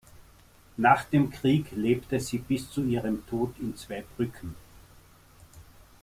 Nach dem Krieg lebte sie bis zu ihrem Tod in Zweibrücken.